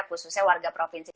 khususnya warga profesi